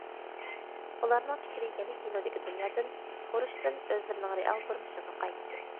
ئۇلارنىڭ پىكرى يەنە كىنودىكى دۇنيادىن، ئۇرۇشتىن ئۆزلىرىنىڭ رېئال تۇرمۇشىغا قايتتى.